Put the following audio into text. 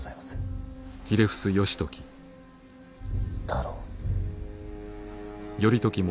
太郎。